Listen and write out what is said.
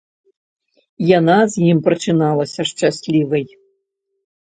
Яна з ім прачыналася шчаслівай.